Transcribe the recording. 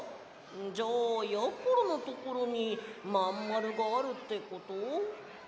じゃあやころのところにまんまるがあるってこと？